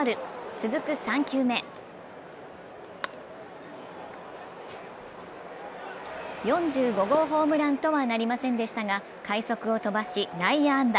続く３球目４５号ホームランとはなりませんでしたが快足を飛ばし内野安打。